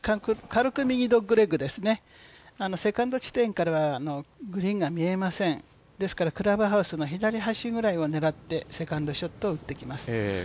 軽く右ドッグレッグですね、セカンド地点からはグリーンが見えませんですからクラブハウスの左端ぐらいを狙って、セカンドショットを打っていきます。